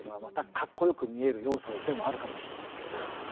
またかっこよく見える要素でもあるかもしれないけど。